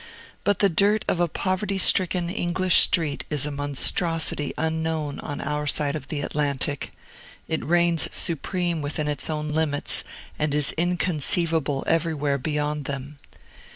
But the dirt of a poverty stricken English street is a monstrosity unknown on our side of the Atlantic. It reigns supreme within its own limits, and is inconceivable everywhere beyond them.